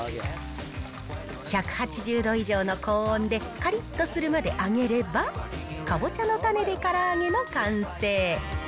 １８０度以上の高温でかりっとするまで揚げれば、かぼちゃの種でから揚げの完成。